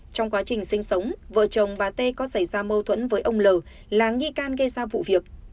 trong quá trình sinh sống vợ chồng bà t có xảy ra mâu thuẫn với ông l là nghi can gây ra vụ việc